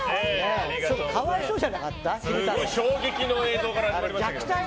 可哀想じゃなかった？